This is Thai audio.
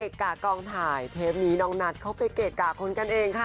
กะกองถ่ายเทปนี้น้องนัทเขาไปเกะกะคนกันเองค่ะ